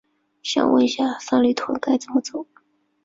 想问一下，三里屯该怎么走？